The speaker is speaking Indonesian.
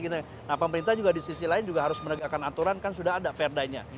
nah pemerintah juga di sisi lain juga harus menegakkan aturan kan sudah ada perdanya